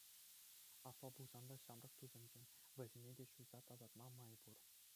Апла пулсан та, ҫамрӑк тусӑмсем, вӗсене те ҫуса тасатма май пур.